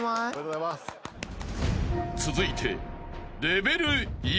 ［続いて］